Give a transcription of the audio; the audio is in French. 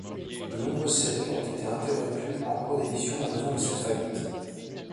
De nombreuses séries ont été interrompues en cours d'édition en raison de cette faillite.